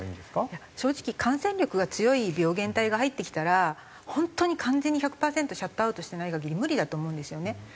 正直感染力が強い病原体が入ってきたら本当に完全に１００パーセントシャットアウトしない限り無理だと思うんですよね。